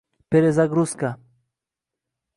“Perezagruzka”